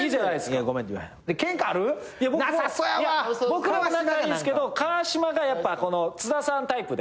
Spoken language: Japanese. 僕らはしないんですけど川島がやっぱ津田さんタイプで。